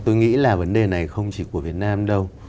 tôi nghĩ là vấn đề này không chỉ của việt nam đâu